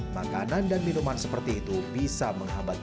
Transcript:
makanan dan minuman seperti itu bisa menghambat